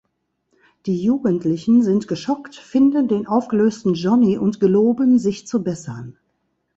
Die Jugendlichen sind geschockt, finden den aufgelösten Jonny und geloben, sich zu bessern.